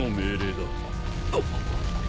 あっ！